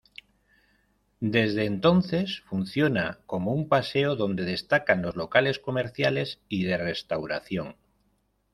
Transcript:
Desde entonces funciona como un paseo donde destacan los locales comerciales y de restauración.